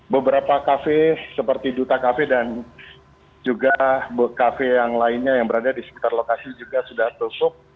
beberapa kafe seperti duta kafe dan juga kafe yang lainnya yang berada di sekitar lokasi juga sudah tutup